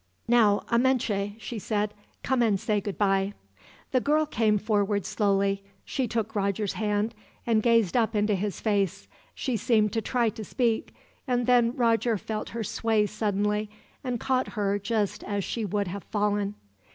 "Now, Amenche," she said, "come and say goodbye." The girl came forward slowly. She took Roger's hand, and gazed up into his face. She seemed to try to speak, and then Roger felt her sway suddenly, and caught her just as she would have fallen.